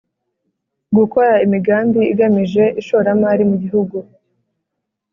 gukora imigambi igamije ishoramari mu gihugu.